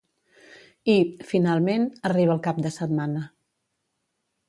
I, finalment, arriba el cap de setmana